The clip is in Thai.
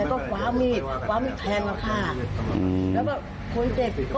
ส่วนมากก็เขาเรียกแจ้งกำรวจค่ะ